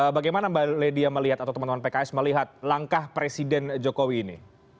bagaimana mbak ledia melihat atau teman teman pks melihat langkah presiden jokowi ini